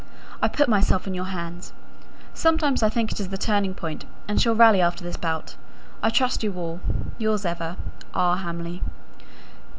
I put myself in your hands. Sometimes I think it is the turning point, and she'll rally after this bout. I trust all to you. Yours ever, R. HAMLEY.